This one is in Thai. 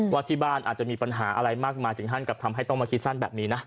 ว่าที่บ้านอาจจะมีปัญหาอะไรมากมายถึงขั้นกับทำให้ต้องมาคิดสั้นแบบนี้นะ